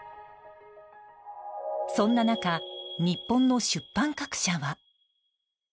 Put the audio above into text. そんな中、日本の出版各社は。